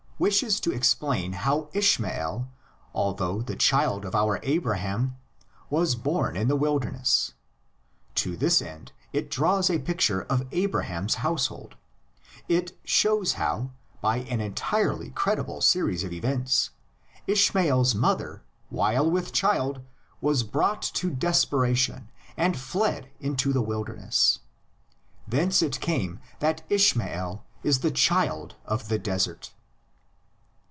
wishes to explain how Ishmael, although the child of our Abraham, was born in the wilder ness; to this end it draws a picture of Abraham's household: it shows how, by an entirely credible series of events, Ishmael' s mother while with child was brought to desperation and fled into the wilder ness; thence it came that Ishmael is a child of the desert.